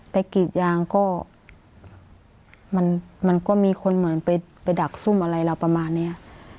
กรีดยางก็มันก็มีคนเหมือนไปดักซุ่มอะไรเราประมาณเนี้ย